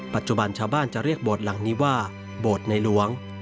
ปัจจุบันชาวบ้านจะเรียกโบสถหลังนี้ว่าโบสถ์ในหลวง